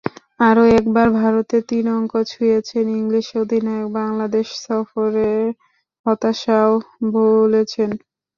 আরও একবার ভারতে তিন অঙ্ক ছুঁয়েছেন ইংলিশ অধিনায়ক, বাংলাদেশ সফরের হতাশাটাও ভুলেছেন।